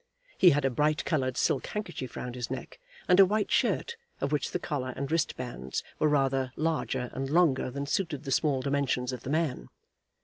He had a bright coloured silk handkerchief round his neck, and a white shirt, of which the collar and wristbands were rather larger and longer than suited the small dimensions of the man.